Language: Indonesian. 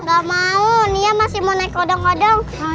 jangan lupa like share dan subscribe channel ini